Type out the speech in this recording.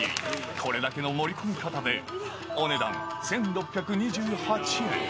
これだけの盛り込み方で、お値段、１６２８円。